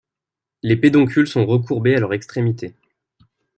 Les pédoncules sont recourbés à leur extrémité.